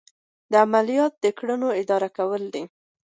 عملیات د کړنو اداره کول دي.